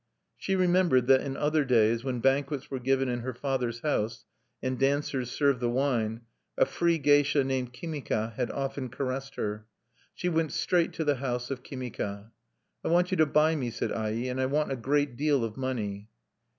She remembered that in other days, when banquets were given in her father's house, and dancers served the wine, a free geisha named Kimika had often caressed her. She went straight to the house of Kimika. "I want you to buy me," said Ai; "and I want a great deal of money."